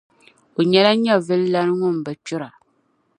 O nyɛla nyɛvulilana Ŋun bi kpira.